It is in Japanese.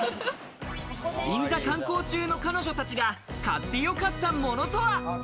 銀座観光中の彼女たちが買ってよかったものとは。